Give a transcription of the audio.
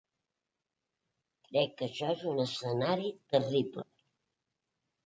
Crec que això és un escenari terrible.